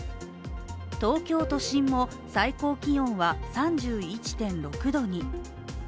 東京都心も、最高気温は３１．６度に。